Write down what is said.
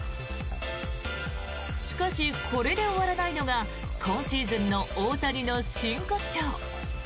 しかし、これで終わらないのが今シーズンの大谷の真骨頂。